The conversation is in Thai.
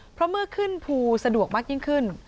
เพราะเมื่อขึ้นภูสะดวกมากยิ่งขึ้น